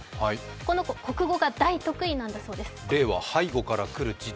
この子、国語が大得意なんだそうです。